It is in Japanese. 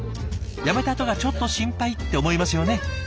辞めたあとがちょっと心配って思いますよね。